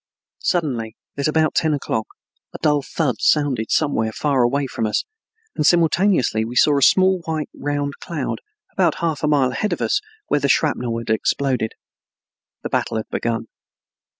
Suddenly, at about ten o'clock, a dull thud sounded somewhere far away from us, and simultaneously we saw a small white round cloud about half a mile ahead of us where the shrapnel had exploded. The battle had begun.